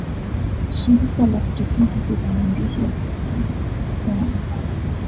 shirika la kutetea haki za waandishi habari la Waandishi wasio na Mpaka